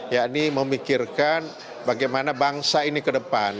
yakni memikirkan bagaimana bangsa ini ke depan